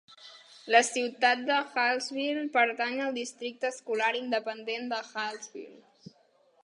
La ciutat de Hallsville pertany al districte escolar independent de Hallsville.